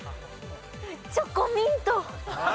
チョコミント。